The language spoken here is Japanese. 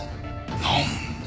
なんで？